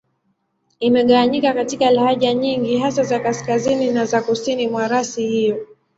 Imegawanyika katika lahaja nyingi, hasa za Kaskazini na za Kusini mwa rasi hiyo.